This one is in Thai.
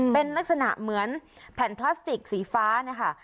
เป็นลักษณะเหมือนแผ่นพลาสติกสีฟ้านะคะ